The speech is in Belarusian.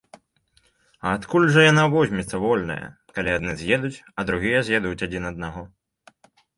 А адкуль жа яна возьмецца, вольная, калі адны з'едуць, а другія з'ядуць адзін аднаго?